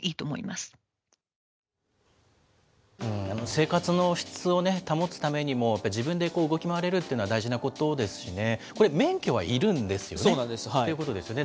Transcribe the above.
生活の質を保つためにも、自分で動き回れるっていうのは大事なことですしね、これ、そうなんです。ということですよね、